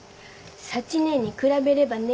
幸姉に比べればね。